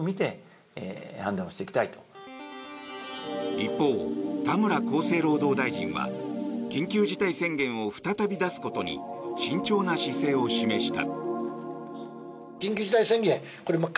一方、田村厚生労働大臣は緊急事態宣言を再び出すことに慎重な姿勢を示した。